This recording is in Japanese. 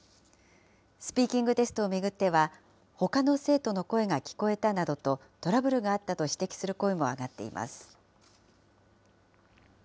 スピーキングテストを巡っては、ほかの生徒の声が聞こえたなどとトラブルがあったと指摘する声も上がっています。